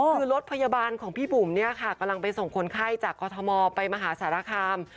คือรถพยาบาลของพี่บุ๋มเนี่ยค่ะกำลังไปส่งคนไข้จากกอทมไปมหาสารคาม